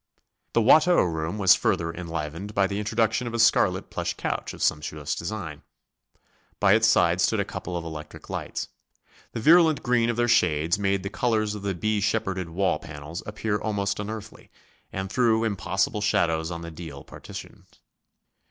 The Watteau room was further enlivened by the introduction of a scarlet plush couch of sumptuous design. By its side stood a couple of electric lights. The virulent green of their shades made the colours of the be shepherded wall panels appear almost unearthly, and threw impossible shadows on the deal partition.